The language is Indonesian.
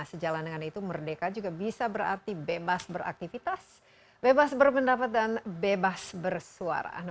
sejalan dengan itu merdeka juga bisa berarti bebas beraktivitas bebas berpendapat dan bebas bersuara